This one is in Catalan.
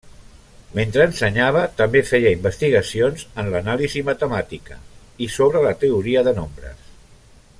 Mentre ensenyava també feia investigacions en anàlisi matemàtica i sobre la teoria de nombres.